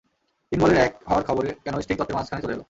তিন বলের এক হওয়ার খবর কেন স্ট্রিং তত্ত্বের মাঝখানে চলে এল?